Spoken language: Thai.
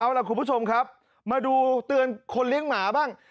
เอาล่ะคุณผู้ชมครับมาดูเตือนคนเลี้ยงหมาบ้าง